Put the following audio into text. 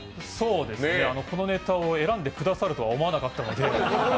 このネタを選んでくださるとは思ってなかったので。